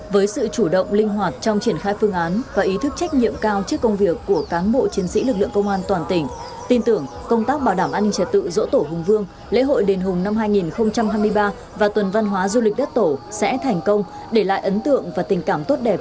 với sự chủ động linh hoạt trong triển khai phương án và ý thức trách nhiệm cao trước công việc của cán bộ chiến sĩ lực lượng công an toàn tỉnh tin tưởng công tác bảo đảm an ninh trật tự dỗ tổ hùng vương lễ hội đền hùng năm hai nghìn hai mươi ba và tuần văn hóa du lịch đất tổ sẽ thành công để lại ấn tượng và tình cảm tốt đẹp